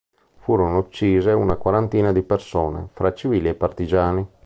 Furono uccise una quarantina di persone, fra civili e partigiani.